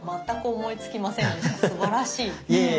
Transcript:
全く思いつきませんでした。